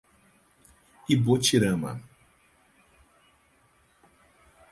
Ibotirama